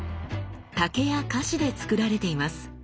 竹や樫で作られています。